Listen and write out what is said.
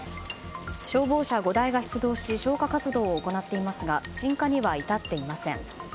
消防車５台が出動し消火活動を行っていますが鎮火には至っていません。